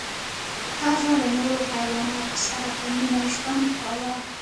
هغه له نورو حیواناتو سره په مینه ژوند کاوه.